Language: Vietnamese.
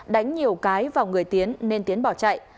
đánh nhiều cái vào người tiến nên tiến bỏ chạy